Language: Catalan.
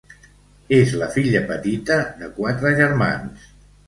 És la filla petita de quatre germans.